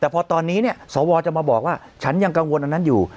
แต่พอตอนนี้เนี่ยสวจะมาบอกว่าฉันยังกังวลอันนั้นอยู่